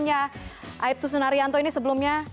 yang aibtu sunaryanto ini sebelumnya